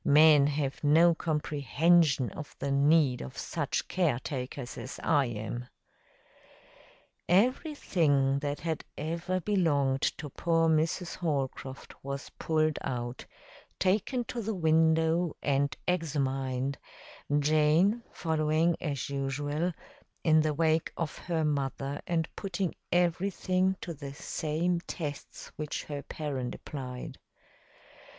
Men have no comprehension of the need of such caretakers as I am." Everything that had ever belonged to poor Mrs. Holcroft was pulled out, taken to the window, and examined, Jane following, as usual, in the wake of her mother and putting everything to the same tests which her parent applied.